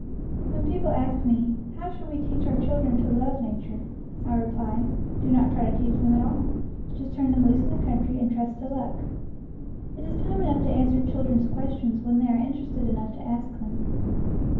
When people ask me, "How shall we teach our children to love 1 NATURE LORE nature?" I reply: "Do not try to teach them at all. Just turn them loose in the country and trust to luck." It is time enough to answer children's ques tions when they are interested enough to ask them.